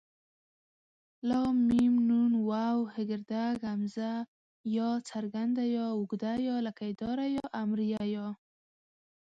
ل م ن ڼ و ه ء ی ي ې ۍ ئ